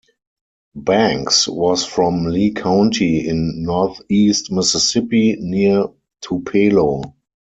Banks was from Lee County in northeast Mississippi, near Tupelo.